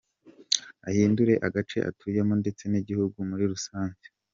ahindure agace atuyemo ndetse nigihugu muri rusange.